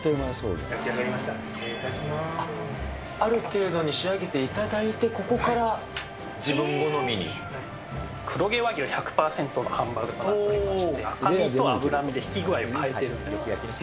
失礼しまある程度に仕上げていただい黒毛和牛１００％のハンバーグとなっておりまして、赤身と脂身でひき具合を変えてるんです。